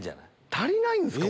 足りないんすか？